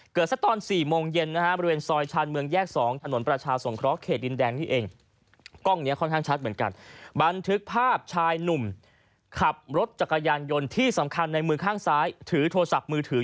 เกิดสักตอน๔โมงเย็นนะฮะ